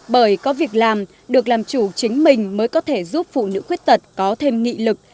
bởi có việc làm được làm chủ chính mình mới có thể giúp phụ nữ khuyết tật có thêm nghị lực